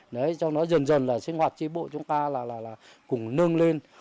đấy cho nó dần dần là sinh hoạt tri bộ chúng ta là cùng nâng lên